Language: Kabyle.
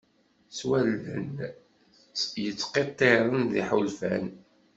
S wawalen yettqiṭṭiren d iḥulfan.